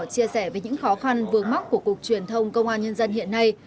chia sẻ về những khó khăn vương mắc của cục truyền thông công an nhân dân hiện nay